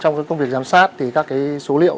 trong công việc giám sát thì các cái số liệu